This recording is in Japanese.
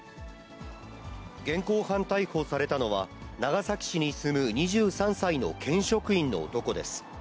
現行犯逮捕されたのは、長崎市に住む２３歳の県職員の男です。